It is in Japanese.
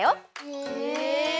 へえ！